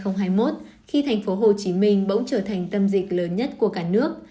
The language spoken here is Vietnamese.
năm hai nghìn một khi thành phố hồ chí minh bỗng trở thành tâm dịch lớn nhất của cả nước